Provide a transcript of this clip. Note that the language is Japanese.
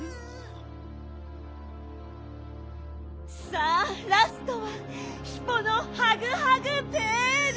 さあラストはヒポのハグハグヴェール！